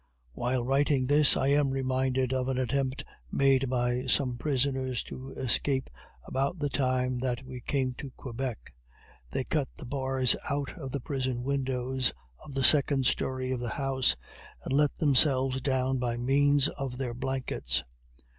While writing this, I am reminded of an attempt made by some prisoners to escape about the time that we came to Quebec. They cut the bars out of the prison windows of the second story of the house, and let themselves down by means of their blankets.